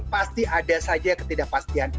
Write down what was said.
pasti ada saja ketidakpastian